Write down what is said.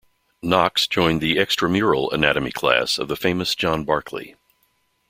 Knox joined the "extramural" Anatomy class of the famous John Barclay.